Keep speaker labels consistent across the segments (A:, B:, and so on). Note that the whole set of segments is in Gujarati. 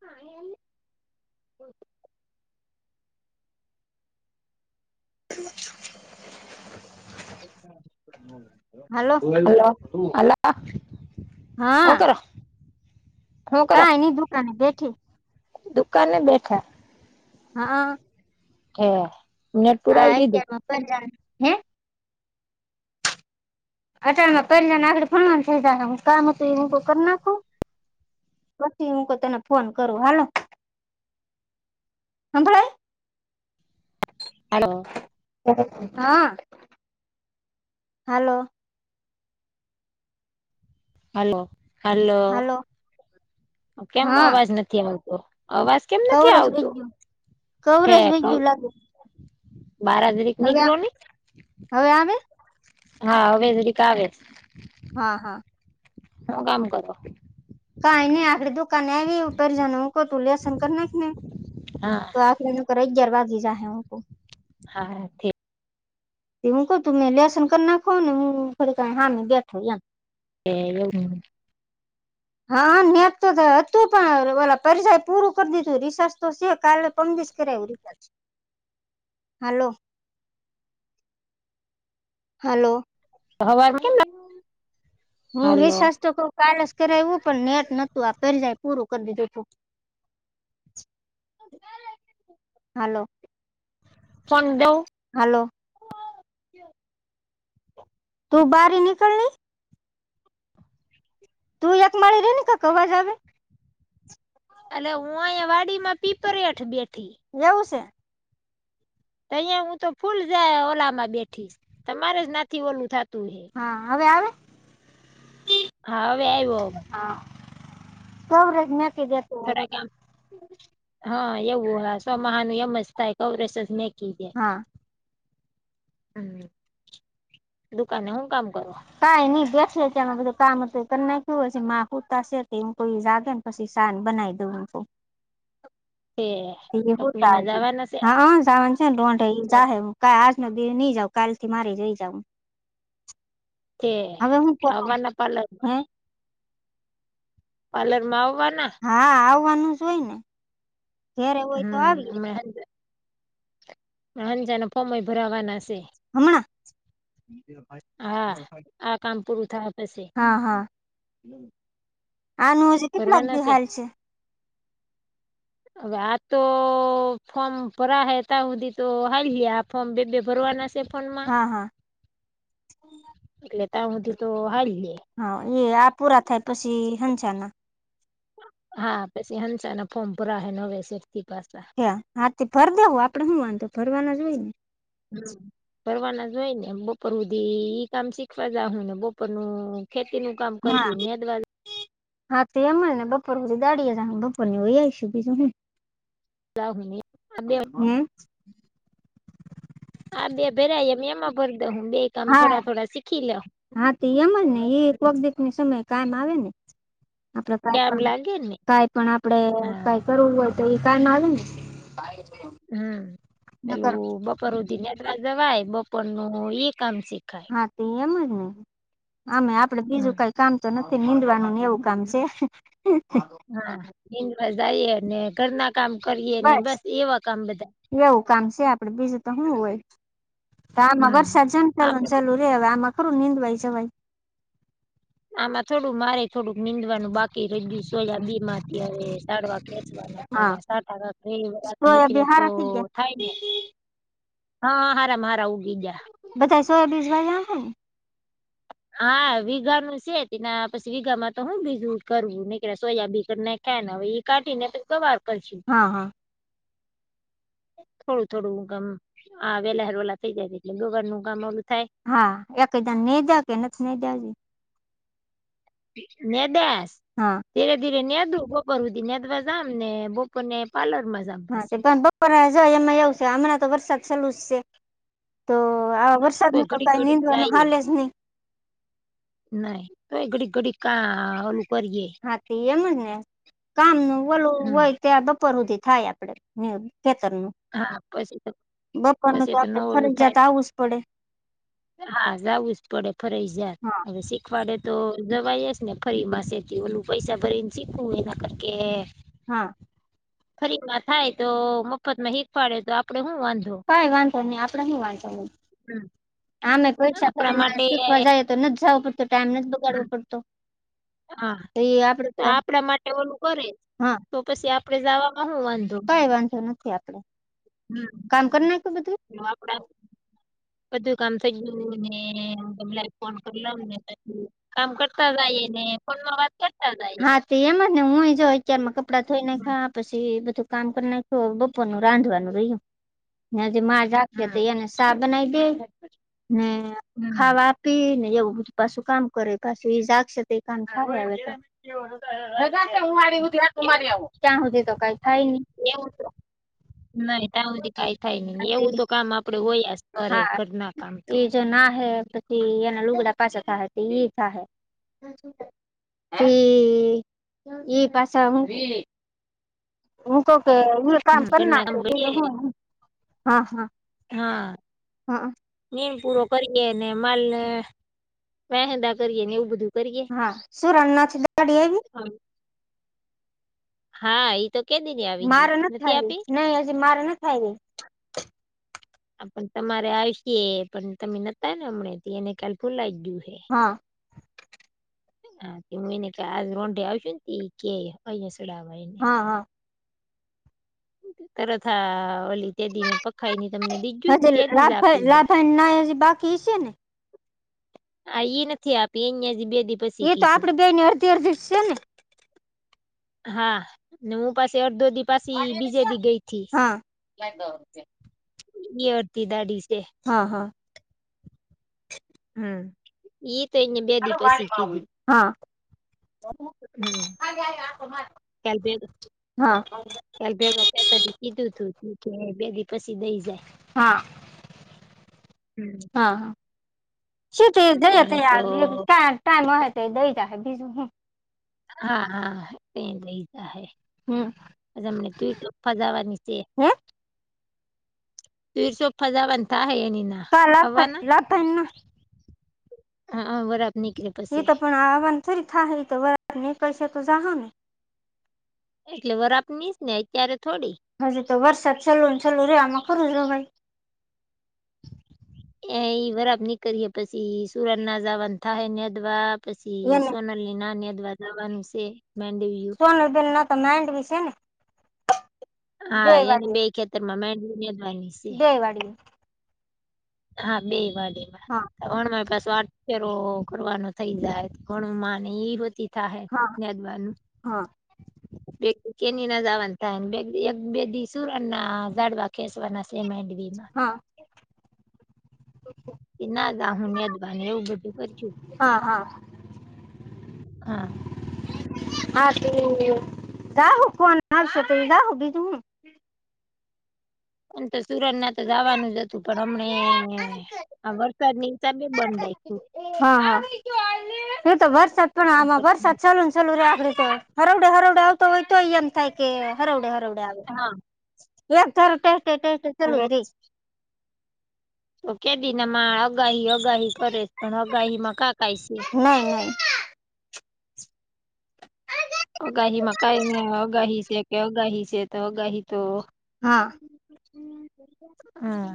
A: હા એ બોલો,
B: હલો હલો હું
A: હા
B: કરો હું કરો
A: કાઈ ની દુકાન બેઠી
B: દુકાને બેઠા
A: હા
B: ઠે
A: હા કે એમાં પણ જા હે અટારણમાં પહેલી જને આગડી ફવા થઈ જાહે કામ હતું એ હ કરી નાખું પછી હું તને ફોન કરું હાલો હમભડાય
B: હલો
A: હા હલો
B: હલો હલો
A: હાલો
B: કેમ
A: હા
B: અવાજ નથી આવતો અવાજ કેમ નથી
A: કવરેજ વઈ
B: આવતું
A: ગયું કવરેજ
B: ઠેક
A: વઈ ગયું લાગે
B: બાર જરીક
A: હવે
B: નીકળો ને
A: હવે આવે
B: હા હવે જીરીક આવે
A: હા હા
B: [unintelligible]
A: કાઈ નહી આપડી દુકાન આવી ગઈ ઉપ ઉપર જણ તું લસન કર નાખને
B: હા
A: તો કરે અગિયાર વાગી જાહે હો
B: હા, ઠ
A: તે હું કહ તું, મેં લેસન કર નાખો ને હું ખરી હામી બેઠો.
B: એ.
A: હા, નેટ તો હતું, પણ ઓલા પરીક્ષા પૂરું કરી દીધું. રિસલ્ટ તો છે, કાલે પમદી જ કર્યાવુ. હલો. હલો,
B: હવારમાં કેમ
A: હું
B: હાલો
A: રિસાસ તો કવ [unintelligible] કાલ જ કરાવવું, પણ નેટ નોતું. આ પહેલાં પૂરું કરી દીધું તું. હાલો‌.
B: ફોન દઉ.
A: હાલો. તું બારી નીકળને‌. તું એકમાળી રે ને ક અવાજ આવે.
B: અલે, હું આહીં વાડીમાં પીપર હઠ બેઠી.
A: એવું સે.
B: અહીંયા હું તો ફૂલ ઓલામાં બેઠીશ, તમારે જ નથી, ઓલું થતું હે.
A: હા, હવે આવે?
B: હા, હવે આઇવો.
A: હા, સો [unintelligible]
B: થોડાક આમ હા, એવું હા, સો માંહેનું એમ જ થાય, કવરેજ નઈ. કી જાય,
A: હા
B: હમ, દુકાને હું કામ કરું?
A: કંઈ નઈ, બેઠી અત્યારમાં બધું કામ હતું એ કૈર નાખ્યું. હજી માં હુતાશે, તે કોઈ જાગે ન પસી સા બનાઈ દઉ અમથું
B: એ.
A: [unintelligible] હા, સાવન છે. ન તો આ તોઈ જાહે. કા આજના દિ એ ની જાવ કાલ થી મારે જઈ જાાવુ.
B: તે
A: હવે હું ફોટો
B: આવવાના પાર્લર
A: હે.
B: પાર્લરમાં આવવાના.
A: હા, આવવાનું જ હોય ને, ઘેરે હોય તો આવીએ.
B: [unintelligible] માર હંજાના ફોર્મએ ભરાવાના સે.
A: હમણાં.
B: હા આ કામ પૂરું થાહે પસી.
A: હા, હા, આનું જ.
B: ભરવાના સે.
A: [unintelligible]
B: હવે આ તો ફોર્મ ભરાહે ત્યાં હુધી તો હાલહી. આ ફોર્મ બે-બે ભરવાના સે. ફોનમાં
A: હા હા
B: એટલે ત્યાં હુધી તો હાલી એ.
A: હ, એ આ પૂરા થાય પસી હંસના.
B: હા, પસી હંસાના ફોર્મ ભરાહે નવે સરથી પાસા.
A: હા, તે ભરદો આપડે હું વાંધો ભરવાના જ હોય ને.
B: હમ, ભરવાના જ હોય ને, બપોર હુધી ઈ કામ શીખવા જાહુ ને બપોરનું. ખેતી નું કામ
A: હા
B: કરશું નેડવા.
A: હા, તો એમજ ને બપોર હુધી દાડી એ જાહુ બપોર ની વહી આવઈશું બીજું હું.
B: [unintelligible] આ બે
A: હમ.
B: આ બે ભેરા એમ એમાં ભર દેહુ બે. કામ
A: હા,
B: થોડા થોડા શીખી લઉ
A: હા, તો એમજ ને એ એક વખતે સમય કામ આવે ને, આપડે કાઈ
B: કામ
A: પણ,
B: લાગે ને
A: કાઈ પણ આપડે
B: હા
A: કાંઈ કરવું હોય તો, ઈ કામ આવેને.
B: હા, પેલું બપોર હુધી નેડવા જવાય બપોરનું ઈ કામ શીખાય.
A: હા તો એમજને આમે આપડે
B: હમ
A: બીજું કાઈ કામ તો નથી. નીંદવાનું ને એવું કામ છે.
B: હા નિંદવા જાઈએ ને ઘરના કામ કરીએ ને બસ એવા કામ બધા
A: એવું કામ સે આપડે બીજું તો હું હોય, તો આમાં
B: હમ
A: વરષા જેમ
B: આપડે
A: ચાલુન ચાલુ રે હવે આમાં ખરું નિંદવાએ જવાઈ.
B: આમાં થોડું મારે થોડુંક નીંદવાનું બાકી રઈ ગયું છે. સોયા બી માંથી હવે સાડવા ખેંચવાના એવા સાથ દાડા થઈ ગયા.
A: સોયા બેહારા થઈ ગયા.
B: હા, મારા હારા ઉગી ગયા.
A: બધાએ સોયા બીજ વાયા હેં.
B: હા વીઘાનું સે તેના પછી વીઘામાં તો હું બીજું કરવું નઈકરા સોયાબી કર નાઈખા ને હવે ઈ કાઢી ને પહી ગવાર કરશું.
A: હા, હા.
B: થોડું થોડું કામ આ વેલા હર વેલા થઇ જાય એટલે ગવાર નું કામ ઓલું થાય.
A: હા એકએદા નિદા કે નથ નિદા હજી.
B: દાસ [unintelligible]
A: હા.
B: ધીરે ધીરે નેધવું બપોર સુધી નેધવા જામ ને બપો ને પ્લર માં.
A: હા તે પણ બપોર જ એમાં એવું છે હમણાં તો વરસાદ ચાલુ જ છે. તો આવા વરસાદ ન
B: તોય
A: તો
B: ઘડીક
A: કઈ
B: ઘડીક
A: નિનીંદવાનું
B: જાઈએ
A: હલે જ નહી.
B: નાહી તો ઘડી ઘડી કા ઓલું કરીયે.
A: હાથી એમજ ને કામ ન વલું
B: હમ
A: હોય. ત્યાં બપોર સુધી થાય આપડે ખેતર નું.
B: હા પછી તો
A: બપોરનું
B: પછી
A: તો
B: ન
A: આપડે
B: ઓલું
A: ફરજિયાત
B: થાય
A: આવું જ પડે.
B: હા જવું જ પડે ફરજિયાત.
A: હા
B: પખવાડે તો જવાઈેસ ને ફરી માસેથી ઓલું પૈસા ભરી ને શીખવું એના કર
A: હા.
B: ફરીમાં થાય તો મફત માં હીખ પાડે તો આપડે શું વાંધો.
A: કઈ વાંધો નહી આપડે શું વાંચવા
B: હમ
A: આમે પરીક્ષા
B: આપણા
A: કરીને
B: માટે
A: શીખવા જાય. તો નથી જવો પડતો ટાઈમ નથી. ગાડવો
B: હમ,
A: પડતો
B: હા
A: એ
B: તો
A: આપડે
B: આપણા માટે ઓલું કરે
A: હા
B: તો પછી આપડે જવામાંમાં હું વાંધો.
A: કઈ વાંધો નથી આપડે. કામ કરી નાખ્યું બધું?
B: હમ હ આપડા.
A: [inaudible]
B: બધું કામ થઈ ગયું હ તમ ફોન કરી લને. કામ કરતા જઈ ને પણ મ આ
A: હા તો એમ ને હુંય જોઉ અત્યારમાં કપડા થોઈ ને
B: હમ
A: ખા પછી બધું કામ કર ના બપોરનુંું રાંધવાનું રહ્યું જે માં જખી તો એને સા બનાઈ દે ને
B: હમ
A: ખાવા પી ને એવુંું પાછું કામ કરે પાછું એ જાગશે તો કામ ખા હું આતો મારી આવ ક્યાં સુજ તો કઈ થાય નઈ.
B: એ નહી. ત્યાં સુધી કઈ થાય ન નહી એવું તો કામ આપડે હોય કરે ઘરના કામ તો
A: જેના હૈ. એના લુગડા પાછ થા થા. એ એ પાછ હ. હું કકે હું કામ
B: હમ
A: કરી
B: ઘરના
A: નાખ
B: કામ કરીએ
A: હા હા.
B: હા.
A: હા
B: મનીન પૂરો કરીએ અનેને માલ ને વંદા કરીએ ને એવું બધું. કરીએ
A: હા શું રણના છે દાડી એવી
B: હા એઈ તો કે દીની આવી ગઈ
A: મારે
B: નથી
A: આવી
B: આપી
A: નહી હજ મારેને થાય રે
B: હ પણ તમારે આવીશ પણ તમે નતા ને હમનેં એને કાલ ફુલાઈ ગયું હે
A: હા
B: હા હું એને આ રોંઢે આવશું ને ત કે અહીં સુડાાવવા એને
A: હા હા
B: તરત આા ઓલી તે દી મેં પખાઈને તમને ી ગું ને તે દી જ આપી ગયા
A: કી છેને
B: આ એ નથી આપી એજી બે દ
A: એ તો આપે બે ની અડધી અડધી છે ને
B: હા અને હું પાસે અડધો દી પછી બીજે દી ગઈથી
A: હા
B: ડતી દાડી છે
A: હા હા
B: હમ એ તો એને બે દી પશી કીદુ
A: હા..
B: હમ..
A: હા જયારે આખો માંથી
B: કેલ બેલ
A: હા.. [inaudible] અમ
B: કેલ ભેગ ચતાથી કીધું, તું તું [inaudible] બેી પછી દઈ જાય.
A: હા..
B: હમ
A: હા.. શીટી જઈ
B: ટાણે તો
A: કામ ટમ હો તો દઈ જ બીજુ હું.
B: હા.. હા.. તે લેઈજા હે.
A: હમ..
B: [inaudible] રામ નિકિત તોફા જવાની છે.
A: હે
B: થીશુ ફજવાન થાહે એેનિના
A: [inaudible] તારા લતાઈ ન
B: હા.. અ.. વરાઆપ નીકલે
A: એ તો પણ આ વાનેથોરી થાહે, ત વરા નીકળશે તો જહો ને.
B: એટલે વરાપની દયને અત્યારે થોડી.
A: હજુ તો, વરસાદ ચાલુ ચાલુ રે આમાં થોડું જવાય.
B: એ ઈ વરાબ નીકળએે પછી, સુરનના જવાન થાયને અદવા પછી
A: એને
B: સોન.. નાનેદ્વાર જવાનું છે, મેડવી
A: કોના તોન્ડવિ મડવીછેને.
B: હા એની બે ખેતર માં [unintelligible] મેડવાની છે
A: ગેય વાત
B: હા, બે વાલીમાં
A: હા
B: કોણ મારી પાસે આવાનું? એ રો રો કરવાનો થઈ જાય ઘણું માની એતી થાહે
A: હા
B: જ્્યાદવાનું
A: હા
B: બેગ કેની નાજાવ થાહે બે એક બેદી શૂર ના દાડવા કેસવના સે.. વિમાન
A: [inaudible] હ..
B: કે નાદા. હું દબનું એવું બધું કર છું....
A: હા હા
B: હા..
A: હાતો [unintelligible] ગહ [inaudible] કોનાશ ત જહે બીજુ તું હું.
B: સુરનના તો જવાનું જ હતું. પણ હમને, આ વરસાદની હિસાબે બંધ રાખું.
A: હા હા એ તો વરસાદ પણ, આમાં
B: નકર તો
A: વરસાદ
B: ના
A: ચાલુ... ચાલો રગડે તો હરવડે હરવડે આવતો હોય, તો એમ થાય કે, હરોવડે હરોવડે આવ.
B: હા.
A: એક તારો ટે ટે ટે ચાલે
B: સરસ
A: રે
B: તો કેદીના મા અગાહી અગાહી કરે પણ, અગાહી માં કા કાય સે.
A: નય નય
B: અગાહી માં કઈ ને અગાહી છે કે, અગાહી છે, તો અગાહી તો?
A: હા...
B: હમ્મ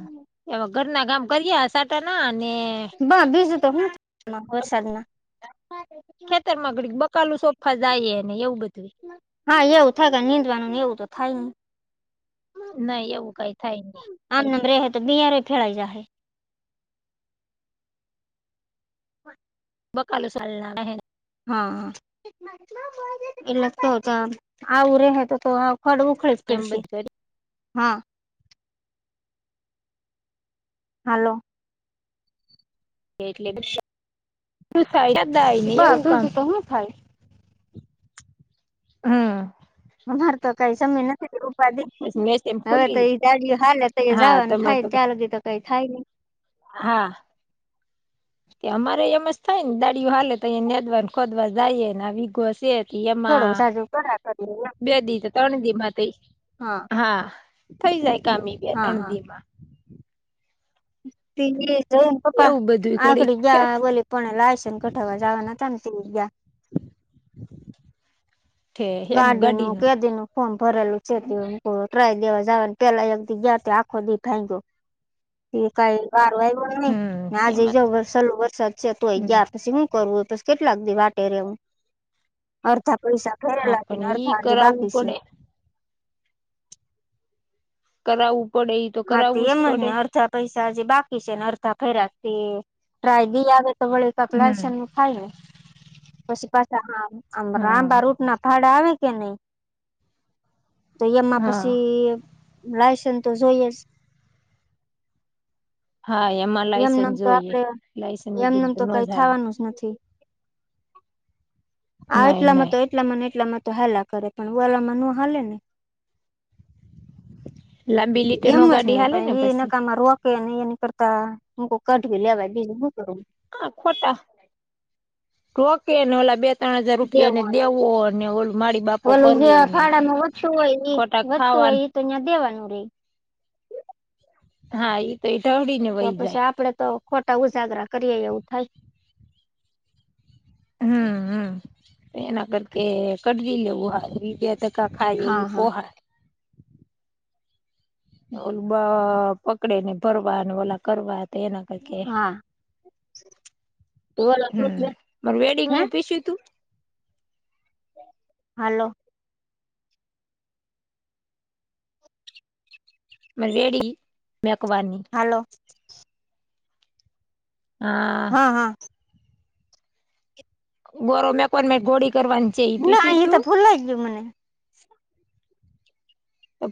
B: એવા ઘરના કામ કરીએ સાટાના અને..
A: બ બીજું તો હું વરસાદના...
B: ખેતરમા ઘડી બકાલું સોફા જાયને, એવું બધયે
A: હા, એવું થાય કે, નીંદવાનુંને એવું, તો થાય ની.
B: નઈ એવું કઈ થાય ની.
A: આમ નામ રહે તો, બિયાર ફેળઈ જાહે [inaudible]
B: બખાલું છાલના એહે
A: હા એટલે કે, તો આવું રહે તો તો આવું. હડગું ખસ
B: એમ
A: પડશ
B: બધું
A: હા હાલો
B: એટલે [unintelligible] ને
A: બ
B: એવું કામ
A: બીજું તો હું થાય
B: હમ્મ
A: મારતો કઈ સમય નથી
B: મેસ એમ
A: હવે
B: ખુલી
A: તો ઈ દાડીઓ હાલે તો
B: જાય હા
A: જવાનું
B: તમારે
A: થાય ત્યાં લગી તો કઈ થાય નહી
B: હા અમારે એમ જ થાય ને દાડીયુ હાલે તો અ નેદવાને ખોદવા જાયને આ વિઘોસ એ
A: થોડું
B: એમાં
A: સાજુ કરા કરીએ એમ
B: બે દી ત્રણ દી માં ત
A: હા
B: હા થઈ જાય કામી
A: હા
B: અણધી માં
A: તે જઈન પપ્પા
B: એવું બધું ઘડીક
A: આગડી
B: કેત
A: ગયા બોલે પોણે લ આસન કઠાવા જવાના તમ ગ
B: [inaudible] છે હેનું
A: ગાડીનું કે દીનું ફોર્મ ભરેલું છે એટ ત્રય દેવા જ આવે પેલા એક દ ગયા આખો દી ભાંગ ગયો એ કઈ વાર નઈ
B: હમ
A: આ જઈ
B: એમાં
A: જાવ
B: તો
A: વસો વરસાદ છે તું આઈ
B: હમ
A: ગયા પછી હું કરવું હોય તો કેટલાક દી વાટે રહેવું અડધા પૈસા
B: હા
A: ઘરેલા
B: પણ
A: છેને
B: ઈ
A: અર્થા આજે
B: કરાવવું
A: બાકી છે
B: પડે કરાવવું પડે ઈ તો
A: હા તે
B: કરાવવું જ
A: એમ
B: પડે
A: ને અડધા પૈસા હજી બાકી છે ને અર્ધા ફેરાતી ટ્રાય દી આવે તો વળ કક
B: હમ
A: લન થાય ને પછી પાછી આમ
B: હા
A: લાંબા રૂટ ના ફાડ આવે કે નહી તો એમાં
B: હા
A: પછી લાયસન તો જોઈ
B: હા એમાં
A: જ
B: લાયસન્સ
A: એમનેમ તો
B: જોઈએ
A: આપડે
B: લાયસન્સ વગર
A: એમનેમ તો
B: નો
A: કઈ
B: ચાલે
A: થવાનું જ નથી આ
B: નઈ
A: એટલામાં
B: નઈ
A: તો એટલા મને એટલામાં તો હેલા કરે પેલા મ ન હાલે ને
B: લાંબી લીટે
A: એમ
B: નો
A: જ
B: ગાડી
A: ને
B: હાલે
A: પણ એ
B: પછી
A: નકા મા રો એની કરતા કઠી લવા બીજું કર
B: હા ખોટા રોકે ને ઓલા બે ત્રણ હજાર રૂપિયા ને
A: દેવું
B: દેવો અને ઓલ મારી બાપો
A: ઓલું જે
B: કરવો ને
A: ભાડામાં વધતું હોય એ
B: ખોટાક
A: વધતું
B: ખાવાનું
A: હોય એ તો તહીયાં દેવાનું રે
B: હા એ તો એટ હડીને વય જાય
A: આપણેે તો ખટઓજાગરા કરીરીયે એવ થયે
B: હમ્મ હમ્મ એના કરતા [unintelligible] ત ખાય એ
A: હા હા.
B: પોહાય ઓલું બ પકડે ને ભરવા અને ઓલા કરવા તેના કરકે
A: હા બોલો
B: હમ્મ
A: બીજું
B: માર
A: હે
B: વેડિંગું પીસયુ તું
A: હલો.
B: મે રેડી મેકવારની
A: હલો.
B: હા.
A: હા-હા.
B: બોરો મેકો મે ગોળી કરવાની છે ઈ
A: ના
B: પીસ્યું
A: ઈતો
B: તું
A: ભૂલાઈ ગયું મને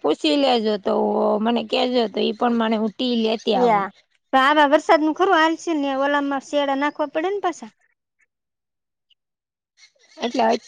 B: પૂછી લેજો તો મને કેજો તો એઈ પ્રમાણે મને હુંટી લેતી આવું
A: યા આવા વરસાદ નું ખરું હાલ છે ને ઓલા માં શિયાડા નાખવા પડે ને પાછા
B: એટલે અત્યારે